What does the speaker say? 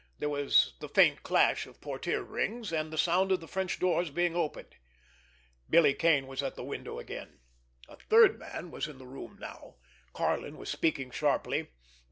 There was the faint clash of portière rings, and the sound of the French doors being opened. Billy Kane was at the window again. A third man was in the room now. Karlin was speaking sharply.